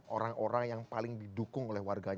orang orang yang paling didukung oleh orang lainnya